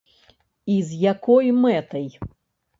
І з якой мэтай?